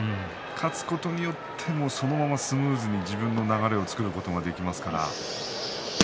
勝つことによってそのままスムーズに自分の流れを作ることができますから。